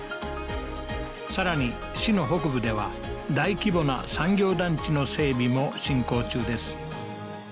更に市の北部では大規模な産業団地の整備も進行中です